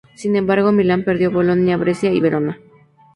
Sin embargo Milán perdió Bolonia, Brescia y Verona.